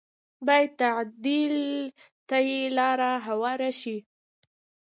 بايد تعديل ته یې لاره هواره شي